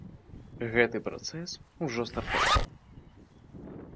Гэты працэс ужо стартаваў.